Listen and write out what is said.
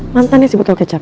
mantan ya si botol kecap